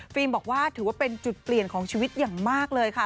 บอกว่าถือว่าเป็นจุดเปลี่ยนของชีวิตอย่างมากเลยค่ะ